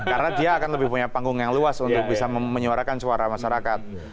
karena dia akan lebih punya panggung yang luas untuk bisa menyuarakan suara masyarakat